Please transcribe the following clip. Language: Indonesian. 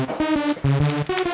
ntar kuing kingin dulu